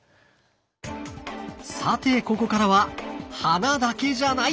さてここからは花だけじゃない！